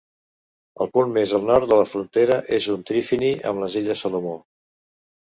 El punt més al nord de la frontera és un trifini amb les Illes Salomó.